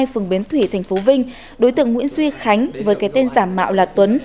phường bến thủy tp vinh đối tượng nguyễn duy khánh với cái tên giả mạo là tuấn